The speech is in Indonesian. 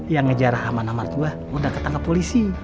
yang ngejarah amanah mart gue udah ketangkap polisi